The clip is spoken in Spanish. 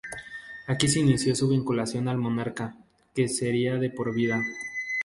Aquí se inició su vinculación al monarca, que sería de por vida.